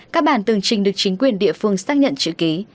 các bản tường trình được chính quyền địa phương xác nhận chữ ký